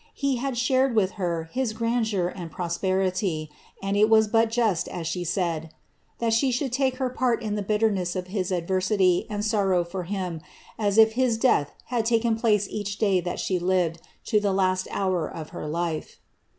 He had shared with her his grandeur and prosperity, and it was but just, as she said, ^ that she should take her part in the bitterness of his adversity, and sorrow for him, as if his death had taken place each day that she lived, to the last hour of her life.'